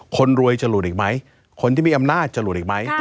คนรวยจะหลุดอีกไหมคนที่มีอำนาจจะหลุดอีกไหม